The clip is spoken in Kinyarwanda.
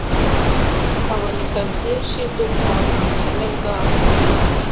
haboneka byinshi byo guhaza ubukene bwabo.